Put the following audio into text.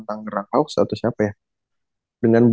tangerang hawks atau siapa ya